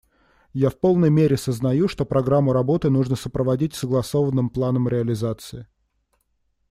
Я в полной мере сознаю, что программу работы нужно сопроводить согласованным планом реализации.